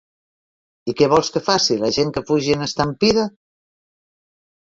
I què vols que faci, la gent, que fugi en estampida?